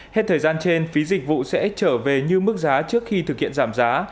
hết thời gian trên phí dịch vụ sẽ trở về như mức giá trước khi thực hiện giảm giá